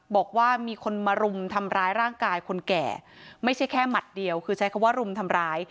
บอกว่ามีคนมารุมทำร้ายร่างกายคนแก่ไม่ใช่แค่หมัดเดียวคือใช้คำว่ารุมทำร้าย